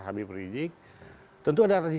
habib rijik tentu ada